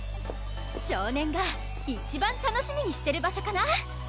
少年が一番楽しみにしてる場所かな！